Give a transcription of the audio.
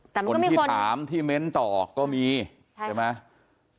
แต่มันก็มีคนคนที่ถามที่เม้นต์ต่อก็มีใช่ไหมใช่ใช่ไหม